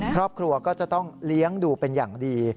ครอบครัวก็จะต้องเลี้ยงดูเป็นอย่างดี